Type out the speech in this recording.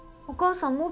お母さん？